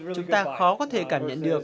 chúng ta khó có thể cảm nhận được